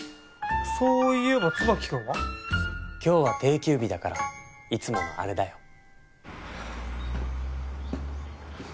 そういえば椿くんは？今日は定休日だからいつものあれだよ。